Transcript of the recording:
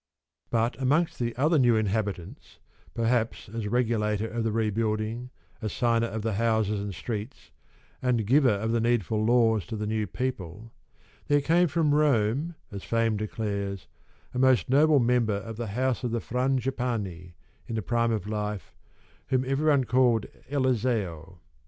But amongst the other new inhabitants (perhaps as regulator of the rebuilding, assigner of the houses and streets, and giver of needful laws to the new people), there came from Rome, as fame declares, a most noble member of the house of the Frangipani, in the prime of life, whom everj'one called Eliseo.